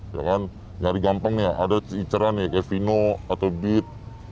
ya kan nyari gampang nih ya ada icara nih kayak vino atau beat